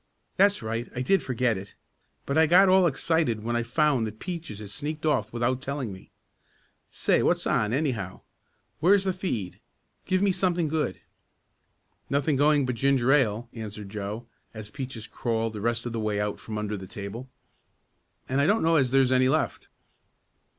"That's right, I did forget it. But I got all excited when I found that Peaches had sneaked off without telling me. Say, what's on, anyhow? Where's the feed? Give me something good." "Nothing going but ginger ale," answered Joe, as Peaches crawled the rest of the way out from under the table. "And I don't know as there's any left."